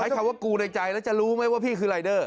คำว่ากูในใจแล้วจะรู้ไหมว่าพี่คือรายเดอร์